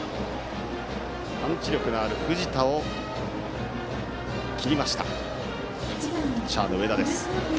パンチ力のある藤田を切りましたピッチャーの上田です。